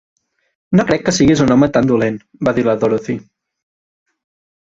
"No crec que siguis un home tan dolent", va dir la Dorothy.